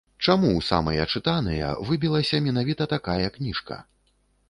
Чаму ў самыя чытаныя выбілася менавіта такая кніжка?